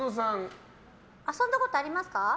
遊んだことありますか？